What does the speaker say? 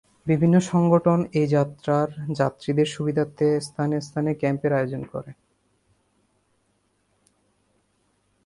বিভিন্ন সংগঠন এই যাত্রার যাত্রীদের সুবিধার্থে স্থানে স্থানে ক্যাম্পের আয়োজন করে।